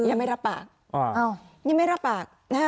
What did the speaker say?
ยังไม่รับปากยังไม่รับปาก